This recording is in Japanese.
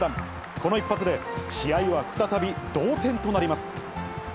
この一発で、試合は再び同点となります。